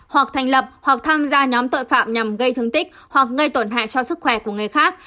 hoặc thành lập hoặc tham gia nhóm tội phạm nhằm gây thương tích hoặc gây tổn hại cho sức khỏe của người khác